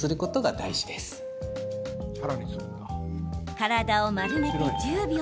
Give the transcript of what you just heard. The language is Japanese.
体を丸めて１０秒。